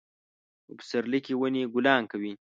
په پسرلي کې ونې ګلان کوي